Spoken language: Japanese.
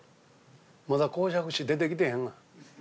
まだ講釈師出てきてへんがな。